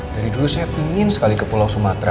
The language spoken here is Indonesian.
dari dulu saya ingin sekali ke pulau sumatera